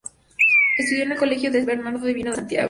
Estudió en el Colegio del Verbo Divino de Santiago.